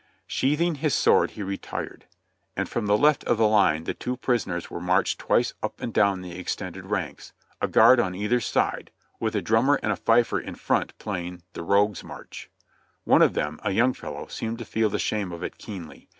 Sheathing his sword he retired; and from the left of the line the two prisoners were marched twice up and down the extended ranks, a guard on either side, with a drummer and a fifer in front playing "The Roo ue's JMarch. * One of them, a young fellow, seemed to feel the shame of it keenly.